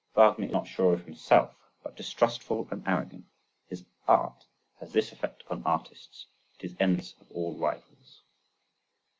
Wagner is not sure of himself, but distrustful and arrogant. His art has this effect upon artists, it is envious of all rivals.